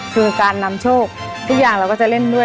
คือการนำโชคทุกอย่างเราก็จะเล่นด้วย